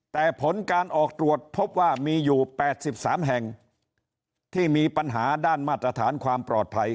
แต่ผลการออกตรวจพบว่ามีอยู่๘๓แห่งที่มีปัญหาด้านมาตรฐานความปลอดภัย